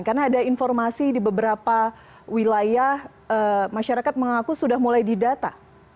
karena ada informasi di beberapa wilayah masyarakat mengaku sudah mulai didata